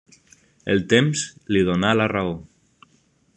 El temps li donà la raó.